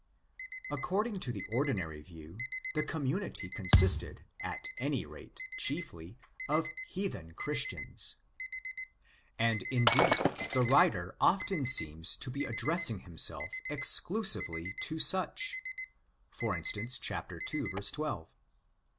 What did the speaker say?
According to the ordinary view, the community consisted, at any rate chiefly, of '' heathen Christians."' And, indeed, the writer often seems to be addressing himself exclusively to such (¢.g., xii. 2, ὅτε ἔθνη Fre).